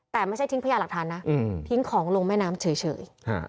แต่ไม่ใช่ทิ้งพญาหลักฐานนะทิ้งของลงแม่น้ำเฉย